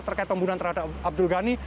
terkait pembunuhan terhadap abdul ghani